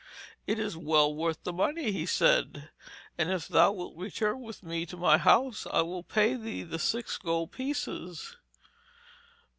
'It is well worth the money,' he said; 'and if thou wilt return with me to my house, I will pay thee the six gold pieces.'